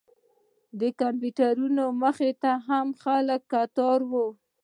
د کمپیوټرونو مخې ته هم خلک کتار و.